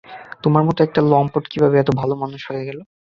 তোমার মতো একটা লম্পট কিভাবে এত ভালো মানুষ হয়ে গেলো?